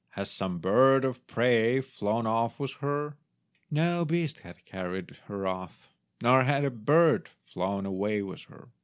Has some bird of prey flown off with her?" No beast had carried her off, nor had a bird flown away with her.